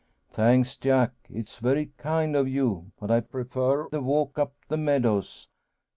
"Thanks, Jack; it's very kind of you, but I prefer the walk up the meadows.